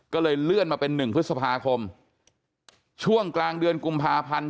ก็เลยเลื่อนมาเป็น๑พฤษภาคมช่วงกลางเดือนกุมภาพันธ์